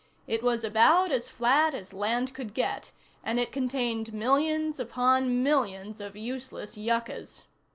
It was about as flat as land could get, and it contained millions upon millions of useless yuccas.